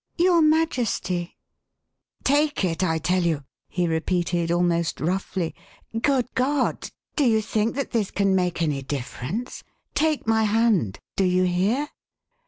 "Your Majesty " "Take it, I tell you!" he repeated almost roughly. "Good God! do you think that this can make any difference? Take my hand! Do you hear?"